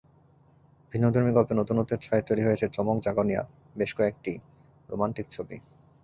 ভিন্নধর্মী গল্পে নতুনত্বের ছোঁয়ায় তৈরি হয়েছে চমক জাগানিয়া বেশ কয়েকটি রোমান্টিক ছবি।